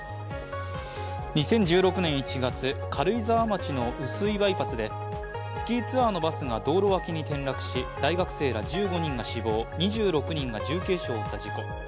２０１６年１月、軽井沢町の碓氷バイパスでスキーツアーのバスが道路脇に転落し、大学生ら１５人が死亡、２６人が重軽傷を負った事故。